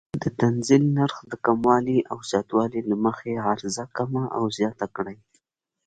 د تنزیل نرخ د کموالي او زیاتوالي له مخې عرضه کمه او زیاته کړي.